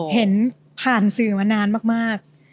เห็นผ่านสื่อมานานมาก